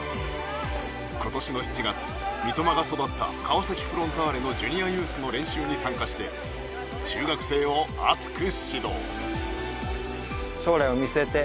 今年の７月三笘が育った川崎フロンターレのジュニアユースの練習に参加して中学生を熱く指導。と思います。